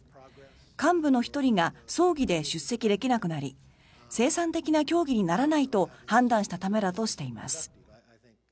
幹部の１人が葬儀で出席できなくなり生産的な協議にならないと判断したためだとしています。